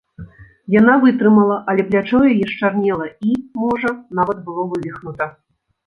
Яна вытрымала, але плячо яе счарнела і, можа, нават было вывіхнута.